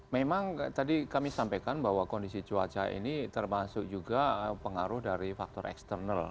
memang tadi kami sampaikan bahwa kondisi cuaca ini termasuk juga pengaruh dari faktor eksternal